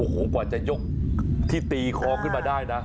กว่าจะยกที่ตีคล้องขึ้นมาได้นะ